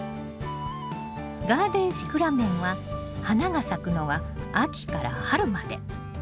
ガーデンシクラメンは花が咲くのが秋から春まで。